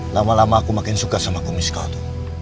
lama lama aku makin suka sama kumis kau tuh